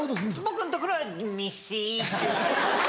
僕のところはミシっていう。